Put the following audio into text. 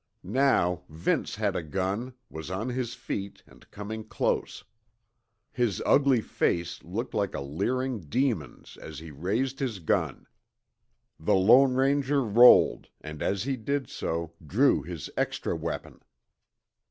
Now Vince had a gun, was on his feet and coming close. His ugly face looked like a leering demon's as he raised his gun. The Lone Ranger rolled, and as he did so, drew his extra weapon.